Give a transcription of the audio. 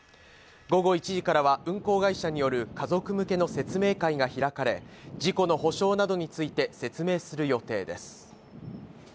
午後１時からは運航会社による家族向けの説明会が開かれ、事故の補償などについて説明する予定です。